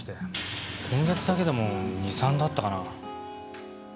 今月だけでも２３度あったかな。